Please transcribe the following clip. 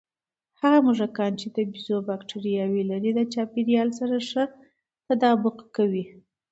هغه موږکان چې د بیزو بکتریاوې لري، د چاپېریال سره ښه تطابق کوي.